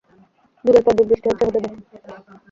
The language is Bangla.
যুগের পর যুগ বৃষ্টি হচ্ছে, হতে দে।